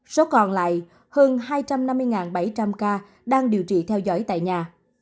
số còn lại hơn hai trăm năm mươi bảy trăm linh ca đang điều trị theo dõi tại nhà